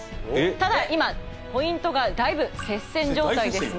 ただ今ポイントがだいぶ接戦状態ですね